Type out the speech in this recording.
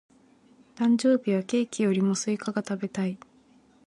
誕生日はケーキよりもスイカが食べたい。